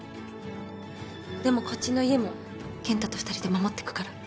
でもこっちの家も健太と２人で守ってくから。